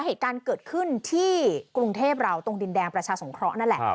เหตุการณ์เกิดขึ้นที่กรุงเทพเราตรงดินแดงประชาสงเคราะห์นั่นแหละ